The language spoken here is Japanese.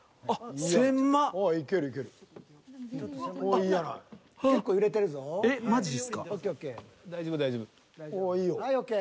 ああいいよ。